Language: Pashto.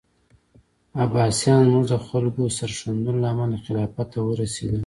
عباسیان زموږ د خلکو سرښندنو له امله خلافت ته ورسېدل.